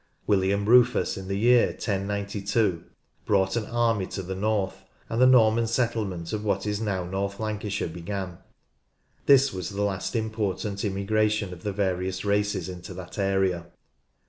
William Rufus in the year 1092 brought an army to the north, and the Norman settlement of what is now North Lancashire began. This was the last important immigration of the various races into that area.